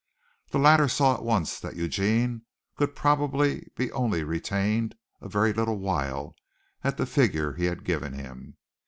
The latter saw at once that Eugene could probably only be retained a very little while at the figure he had given him.